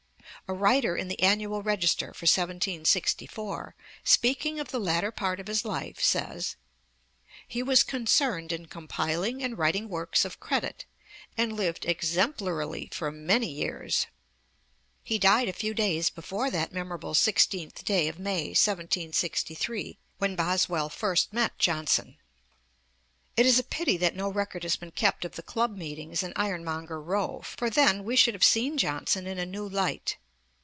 A writer in the Annual Register for 1764 (ii. 71), speaking of the latter part of his life, says: 'He was concerned in compiling and writing works of credit, and lived exemplarily for many years.' He died a few days before that memorable sixteenth day of May 1763, when Boswell first met Johnson. It is a pity that no record has been kept of the club meetings in Ironmonger Row, for then we should have seen Johnson in a new light.